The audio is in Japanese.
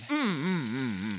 うんうん。